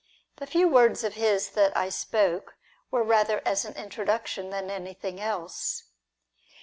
The few words of his .that I spoke were rather as an introduction than anything else.